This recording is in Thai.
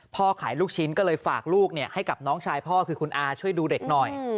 ขายลูกชิ้นก็เลยฝากลูกให้กับน้องชายพ่อคือคุณอาช่วยดูเด็กหน่อย